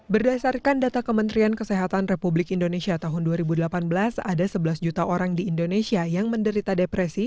berdasarkan data kementerian kesehatan republik indonesia tahun dua ribu delapan belas ada sebelas juta orang di indonesia yang menderita depresi